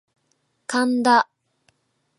神田